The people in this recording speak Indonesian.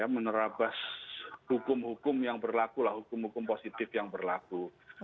menerabas hukum hukum yang berlaku lah hukum hukum positif yang berlaku